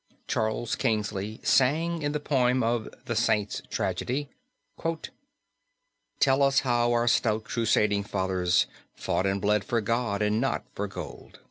Charles Kingsley sang in the poem of The Saints Tragedy: "Tell us how our stout crusading fathers Fought and bled for God and not for gold."